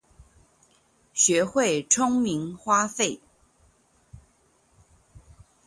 學會聰明花費